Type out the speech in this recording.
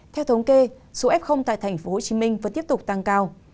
theo thống kê số f tại tp hcm vẫn tiếp tục tăng cao